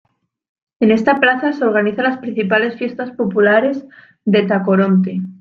En esta plaza se organizan las principales fiestas populares de Tacoronte.